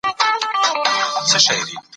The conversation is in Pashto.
آيا فرد خپله اخلاقي دنده احساسوي؟